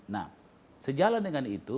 nah sejalan dengan itu